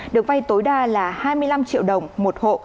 được vay tối đa là hai mươi năm triệu đồng một hộ